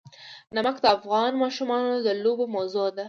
نمک د افغان ماشومانو د لوبو موضوع ده.